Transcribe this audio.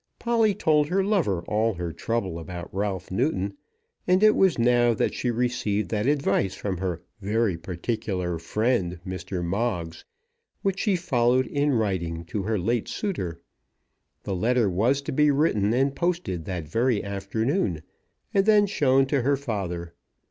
Polly told her lover all her trouble about Ralph Newton, and it was now that she received that advice from her "very particular friend, Mr. Moggs," which she followed in writing to her late suitor. The letter was to be written and posted that afternoon, and then shown to her father.